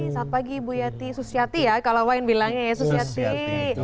selamat pagi bu yati susiati ya kalau wain bilangnya ya susiati